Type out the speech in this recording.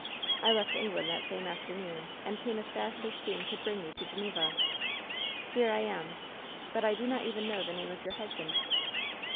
I left England that same afternoon, and came as fast as steam could bring me to Geneva. Here I am I But I do not even know the name of your hus band.'